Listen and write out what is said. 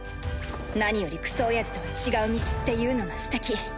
何よりクソおやじとは違う道っていうのがすてき。